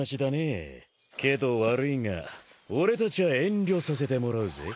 けど悪いが俺たちゃ遠慮させてもらうぜ。